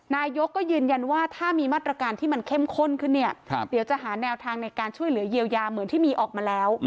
นายกก็ยืนยันว่าถ้ามีมาตรการที่มันเข้มข้นขึ้นเนี่ยเดี๋ยวจะหาแนวทางในการช่วยเหลือเยียวยาเหมือนที่มีออกมาแล้ว